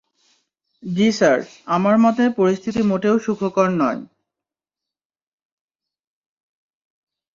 জ্বি, স্যার, আমার মতে পরিস্থিতি মোটেও সুখকর নয়।